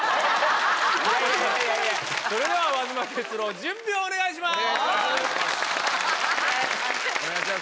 それでは和妻哲朗準備をお願いします！